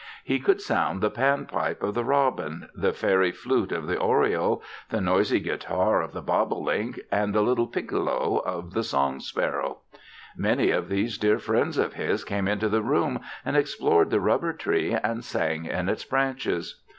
He could sound the pan pipe of the robin, the fairy flute of the oriole, the noisy guitar of the bobolink and the little piccolo of the song sparrow. Many of these dear friends of his came into the room and explored the rubber tree and sang in its branches.